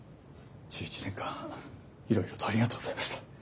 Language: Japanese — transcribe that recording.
１１年間いろいろとありがとうございました。